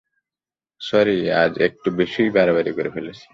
Sorry আজ একটু বেশিই বাড়াবাড়ি করে ফেলেছি।